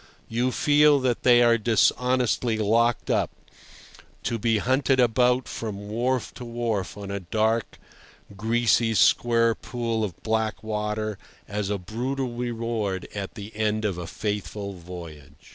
You feel that they are dishonestly locked up, to be hunted about from wharf to wharf on a dark, greasy, square pool of black water as a brutal reward at the end of a faithful voyage.